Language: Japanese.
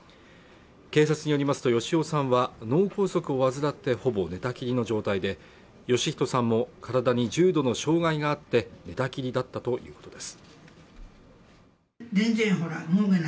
警察によりますと芳男さんは脳梗塞を患ってほぼ寝たきりの状態で芳人さんも身体に重度の障害があって寝たきりだったということです